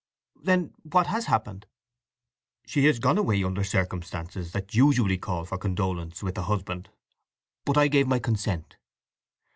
"Then what has happened?" "She has gone away under circumstances that usually call for condolence with the husband. But I gave my consent."